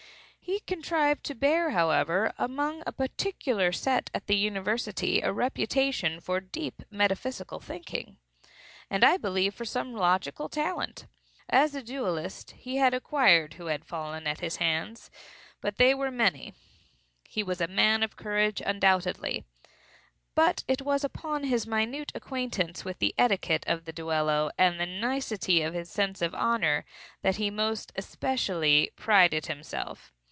He contrived to bear, however, among a particular set at the university, a reputation for deep metaphysical thinking, and, I believe, for some logical talent. As a duellist he had acquired great renown, even at G——n. I forget the precise number of victims who had fallen at his hands; but they were many. He was a man of courage undoubtedly. But it was upon his minute acquaintance with the etiquette of the duello, and the nicety of his sense of honor, that he most especially prided himself.